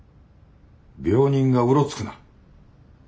病人がうろつくな。